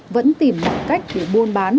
vẫn tìm cách để buôn bán